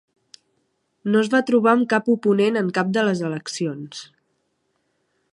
No es va trobar amb cap oponent en cap de les eleccions.